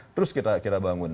terus kita bangun